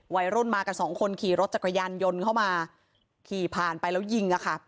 วัยรุ่นมากับสองคนขี่รถจักรยานยนต์เข้ามาขี่ผ่านไปแล้วยิงอะค่ะ